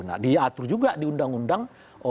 nah diatur juga di undang undang